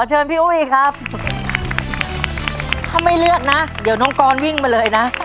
เชิญพี่อุ้ยครับถ้าไม่เลือกนะเดี๋ยวน้องกรวิ่งมาเลยนะ